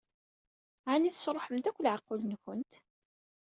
Ɛni tesṛuḥemt akk leɛqul-nwent?